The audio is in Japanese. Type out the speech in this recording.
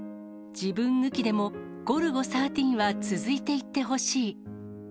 自分抜きでもゴルゴ１３は続いていってほしい。